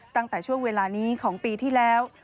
ตั้งแต่ช่วงเวลานี้ของปีที่แล้ว